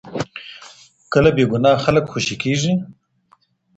کله بې ګناه خلګ خوشي کیږي؟